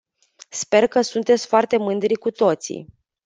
Sper că sunteți foarte mândri cu toții!